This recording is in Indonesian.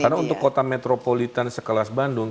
karena untuk kota metropolitan sekelas bandung